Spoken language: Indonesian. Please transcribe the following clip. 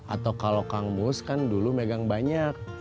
atau kalau kang mus kan dulu megang banyak